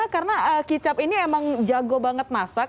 karena kicap ini emang jago banget masak